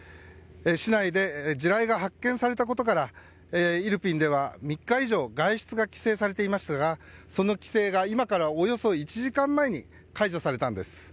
市内で地雷が発見されたことからイルピンでは３日以上外出が規制されていましたがその規制が今からおよそ１時間前に解除されたんです。